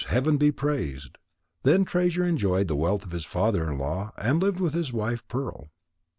Heaven be praised!" Then Treasure enjoyed the wealth of his father in law and lived with his wife Pearl.